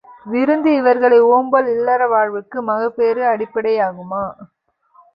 விருந்து இவர்களை ஒம்பும் இல்லற வாழ்வுக்கு மகப்பேறு அடிப் படையாகும்.